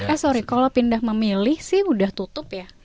eh sorry kalau pindah memilih sih udah tutup ya